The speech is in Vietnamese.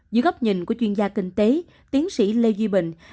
dưới góc nhìn của chuyên gia kinh tế tiến sĩ lê duy bình